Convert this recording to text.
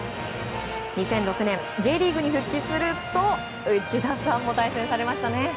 ２００６年Ｊリーグに復帰すると内田さんも対戦されましたね。